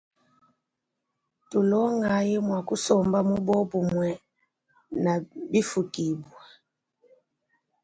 Tulongayi mua kusomba mubobumue na bifukibua.